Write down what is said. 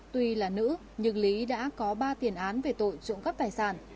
tuy là nữ nhưng lý đã có ba tiền án về tội trộm cắp tài sản